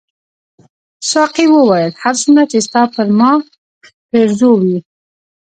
ساقي وویل هر څومره چې ستا پر ما پیرزو وې.